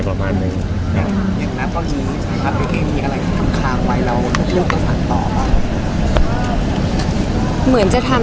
ภาษาสนิทยาลัยสุดท้าย